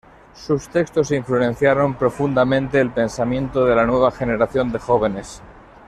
Sus textos influenciaron profundamente el pensamiento de la nueva generación de jóvenes.